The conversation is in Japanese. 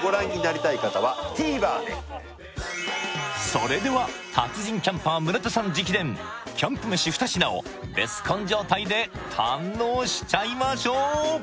それでは達人キャンパー村田さん直伝キャンプ飯二品をベスコン状態で堪能しちゃいましょう！